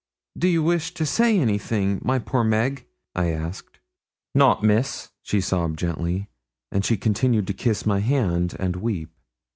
'Do you wish to say anything, my poor Meg?' I asked. 'Nout, Miss,' she sobbed gently; and she continued to kiss my hand and weep.